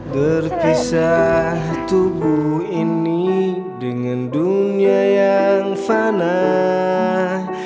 berpisah tubuh ini dengan dunia yang fanah